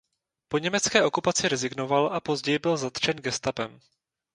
Po německé okupaci rezignoval a později byl zatčen gestapem.